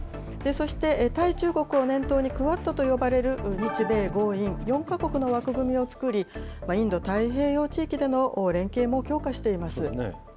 そして対中国を念頭に、クアッドと呼ばれる日米豪印４か国の枠組みを作り、インド太平洋地域での連携も強化しています。